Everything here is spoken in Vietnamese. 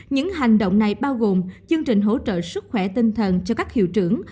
những hành động này bao gồm chương trình hỗ trợ sức khỏe tinh thần cho các hiệu trưởng